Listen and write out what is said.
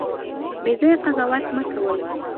بې ځایه قضاوت مه کوئ.